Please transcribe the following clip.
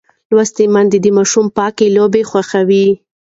لوستې میندې د ماشوم پاکې لوبې خوښوي.